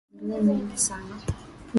Nchi hii ina maendeleo mengi sana.